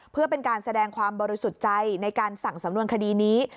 เพื่อเป็นการแสดงความบริสุทธิ์ใจในการสั่งสำนวนคดีนี้